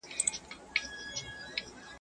بېکارو ته شيطان کار پيدا کوي.